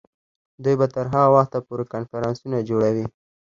دوی به تر هغه وخته پورې کنفرانسونه جوړوي.